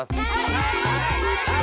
はい！